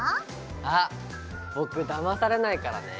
あっ僕だまされないからね。